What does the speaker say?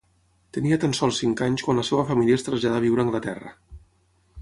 Tenia tan sols cinc anys quan la seva família es traslladà a viure a Anglaterra.